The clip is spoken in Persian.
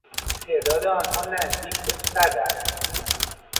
تعداد آنها نزدیک به صد است.